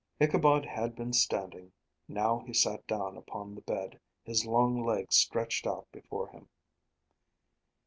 Ichabod had been standing; now he sat down upon the bed, his long legs stretched out before him.